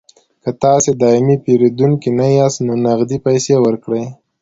که تاسې دایمي پیرودونکي نه یاست نو نغدې پیسې ورکړئ